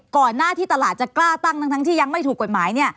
ก่อนหน้าที่ตลาดจะกล้าตั้งทั้งที่ยังไม่ถูกกฎหมายเนี่ย